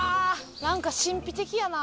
何か神秘的やな